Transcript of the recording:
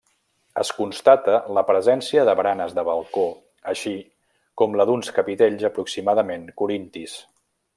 Es constata la presència de baranes del balcó així com la d'uns capitells aproximadament corintis.